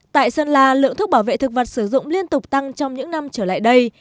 tại sơn la lượng thuốc bảo vệ thực vật sử dụng liên tục tăng trong những năm trở lại đây